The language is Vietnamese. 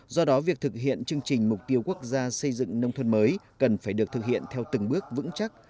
do đó việc thực hiện chương trình mục tiêu quốc gia xây dựng nông thôn mới cần phải được thực hiện theo từng bước vững chắc